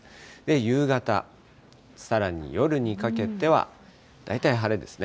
夕方、さらに夜にかけては大体晴れですね。